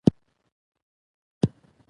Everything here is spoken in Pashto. ترکیب د جملې برخه يي.